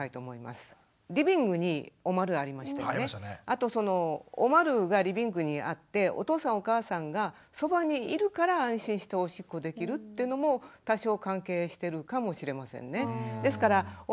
あとそのおまるがリビングにあってお父さんお母さんがそばにいるから安心しておしっこできるというのも多少関係してるかもしれませんね。